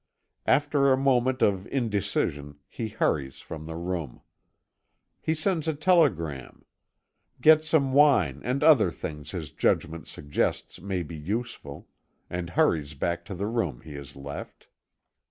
After a moment of indecision, he hurries from the room. He sends a telegram; gets some wine and other things his judgment suggests may be useful, and hurries back to the room he has left.